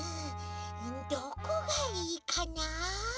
どこがいいかな？